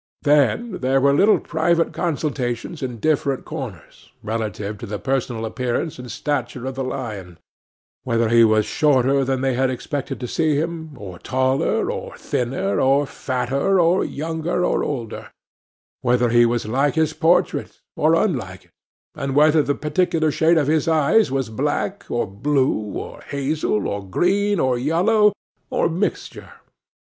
Then, there were little private consultations in different corners, relative to the personal appearance and stature of the lion; whether he was shorter than they had expected to see him, or taller, or thinner, or fatter, or younger, or older; whether he was like his portrait, or unlike it; and whether the particular shade of his eyes was black, or blue, or hazel, or green, or yellow, or mixture.